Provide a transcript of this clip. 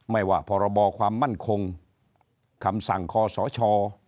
ไม่ว่าพรบความมั่นคงคำสั่งคอสช